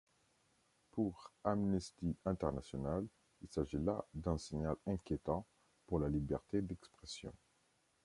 Pour Amnesty international, il s'agit là d'un signal inquiétant pour la liberté d'expression.